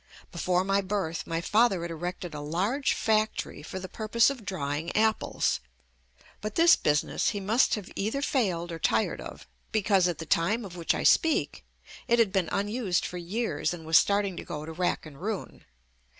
Before my birth, my father had erected a large factory for the purpose of drying ap ples, but this business he must have either failed or tired of, because at the time of which I speak it had been unused for years and was JUST ME starting to go to rack and ruin.